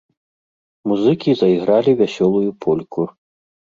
Музыкі зайгралі вясёлую польку.